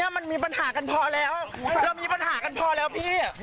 มันมีปัญหากันพอแล้วเรามีปัญหากันพอแล้วพี่